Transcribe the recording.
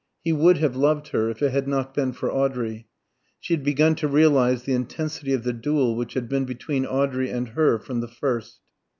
He would have loved her if it had not been for Audrey. She had begun to realise the intensity of the duel which had been between Audrey and her from the first.